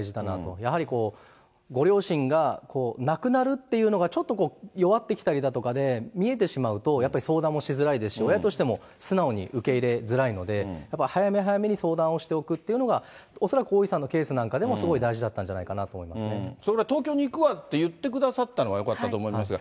やはりご両親が亡くなるっていうのがちょっと弱ってきたりだとかで、見えてしまうと、やっぱり相談もしづらいですし、親としても素直に受け入れづらいので、やっぱり早め早めに相談をしておくっていうのが、恐らく、大井さんのケースなんかでもすごい大事だったんじゃないかなと思それから東京に行くわって言ってくださったのがよかったと思いますが。